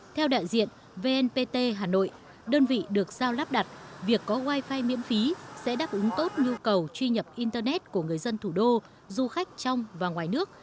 theo đại diện vnpt hà nội đơn vị được giao lắp đặt việc có wifi miễn phí sẽ đáp ứng tốt nhu cầu truy nhập internet của người dân thủ đô du khách trong và ngoài nước